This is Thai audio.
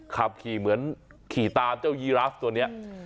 ขับขี่เหมือนขี่ตามเจ้ายีราฟตัวนี้